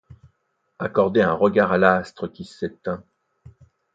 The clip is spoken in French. Accordez un regard à l’astre qui s’éteint !